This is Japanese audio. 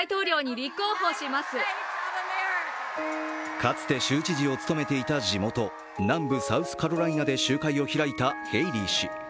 かつて州知事を務めていた地元南部サウスカロライナで集会を開いたヘイリー氏。